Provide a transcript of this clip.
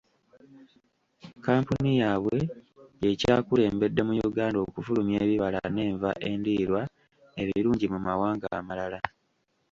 kkampuni yaabwe ye kyakulembedde mu Uganda okufulumya ebibala n'enva endiirwa ebirungi mu mawanga amalala.